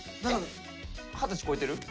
二十歳超えてる？